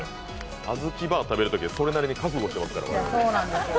あずきバー食べるときは、それなりに覚悟してますから。